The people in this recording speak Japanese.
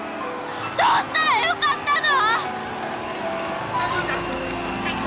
どうしたらよかったの！？